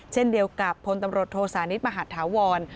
เช่นเดียวกับพลตำรวจโทสานิทมหาธาวร